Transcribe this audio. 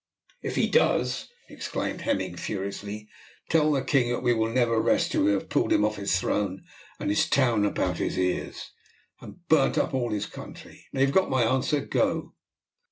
"If he does," exclaimed Hemming furiously, "tell the king that we will never rest till we have pulled him off his throne and his town about his ears, and burnt up all his country. Now you have got my answer. Go."